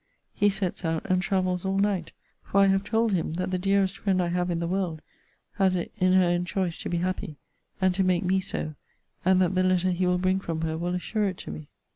He sets out, and travels all night: for I have told him, that the dearest friend I have in the world has it in her own choice to be happy, and to make me so; and that the letter he will bring from her will assure it to me.